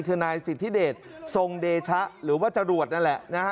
คือนายสิทธิเดชทรงเดชะหรือว่าจรวดนั่นแหละนะฮะ